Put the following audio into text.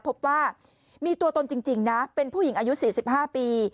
พบว่ามีตัวตนจริงนะเป็นผู้หญิงอายุ๔๕ปี